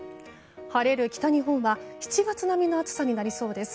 晴れる北日本は７月並みの暑さになりそうです。